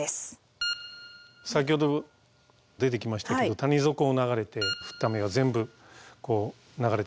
先ほど出てきましたけど谷底を流れて降った雨が全部流れてくる川。